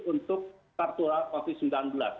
untuk tertular covid sembilan belas